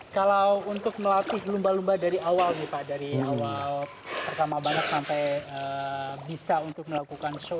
kalau untuk melatih lumba lumba dari awal nih pak dari awal pertama banat sampai bisa untuk melakukan show